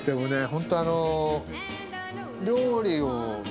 ホントあの。